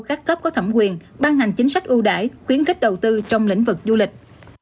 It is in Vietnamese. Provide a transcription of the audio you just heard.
các cấp có thẩm quyền ban hành chính sách ưu đãi khuyến khích đầu tư trong lĩnh vực du lịch